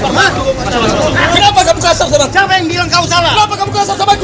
siapa yang bilang kamu salah